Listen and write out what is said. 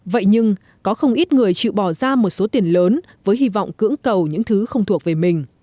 vậy nhưng có không ít người chịu bỏ ra một số tiền lớn với hy vọng cưỡng cầu những thứ không thuộc về mình